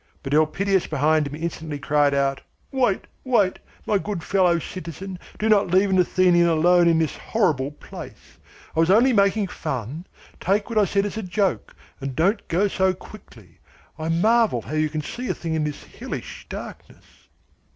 But Elpidias behind him instantly cried out: "Wait, wait, my good fellow citizen, do not leave an Athenian alone in this horrible place! I was only making fun. Take what I said as a joke, and don't go so quickly. I marvel how you can see a thing in this hellish darkness."